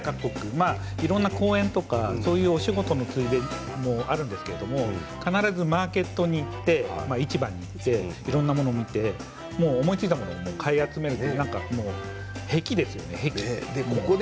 世界各国、いろんな公演とかお仕事のついでもあるんですけど必ずマーケットに行って市場に行っていろんなものを見て思いついたものを買い占める癖ですよね。